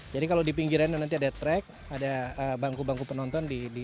jadi kalau di pinggiran ini nanti ada track ada bangku bangku penonton di area ini